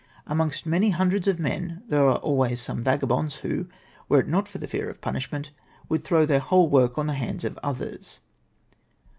Amongst many hundreds of men there are always some vagabonds, who, were it not for the fear of punishment, would throw their whole work on the hands of others.